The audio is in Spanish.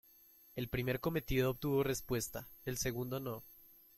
El primer cometido obtuvo respuesta, el segundo no.